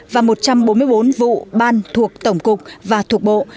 và một trăm bốn mươi bốn vụ ban thuộc tổng cục và thuộc bộ